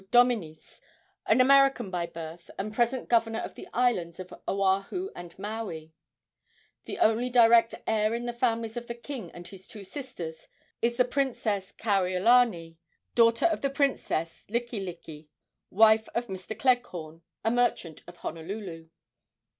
Dominis, an American by birth and present governor of the islands of Oahu and Maui. The only direct heir in the families of the king and his two sisters is the Princess Kaiulani, daughter of the Princess Likelike, wife of Mr. Cleghorn, a merchant of Honolulu.